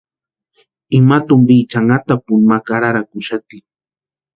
Ima tumpiecha anhatapuni ma karharakuxati.